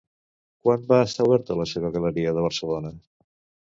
Quan va estar oberta la seva galeria de Barcelona?